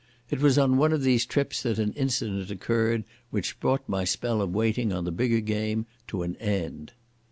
It was on one of these trips that an incident occurred which brought my spell of waiting on the bigger game to an end.